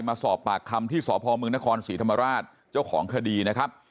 มาสอบปากคำที่สพมนครศรีธรรมราชเจ้าของคดีนะครับ